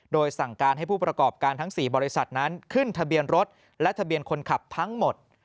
โดยสั่งการให้ผู้ประกอบการทั้ง๔บริษัทนั้นขึ้นทะเบียนรถและทะเบียนคนขับทั้งหมด